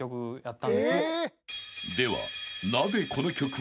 ［では］